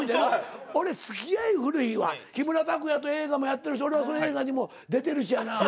俺つきあい古いわ木村拓哉と映画もやっとるし俺はその映画にも出てるしやなぁ。